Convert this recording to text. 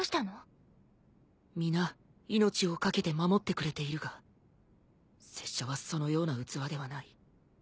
皆命を懸けて守ってくれているが拙者はそのような器ではない。